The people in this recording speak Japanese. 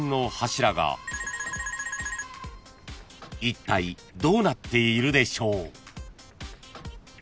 ［いったいどうなっているでしょう？］